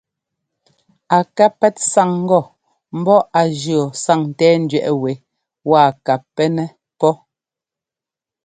A ká pɛ́t sáŋ ŋgɔ ḿbɔ́ á jʉɔ́ sáŋńtɛ́ɛńdẅɛꞌ wɛ waa ka pɛ́nɛ́ pɔ́.